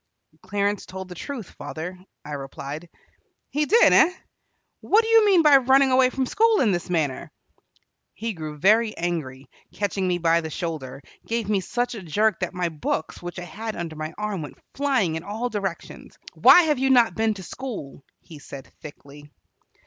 "Clarence told the truth, father," I replied. "He did, eh? What do you mean by running away from school in this manner?" He grew very angry, catching me by the shoulder, gave me such a jerk that my books, which I had under my arm, went flying in all directions. "Why have you not been to school?" he said thickly.